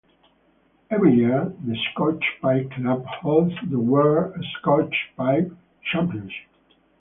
Every year, the Scotch Pie Club holds the World Scotch Pie Championship.